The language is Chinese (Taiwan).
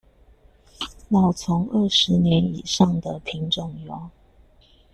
老欉二十年以上的品種唷